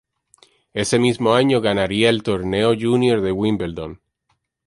Ese mismo año ganaría el torneo junior de Wimbledon.